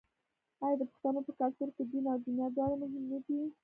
آیا د پښتنو په کلتور کې دین او دنیا دواړه مهم نه دي؟